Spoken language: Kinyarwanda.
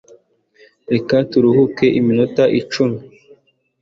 reka turuhuke iminota icumi